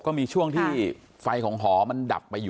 ก็มีช่วงที่ไฟของหอมันดับไปอยู่